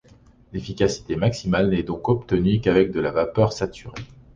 L’efficacité maximale n’est donc obtenue qu’avec de la vapeur saturée.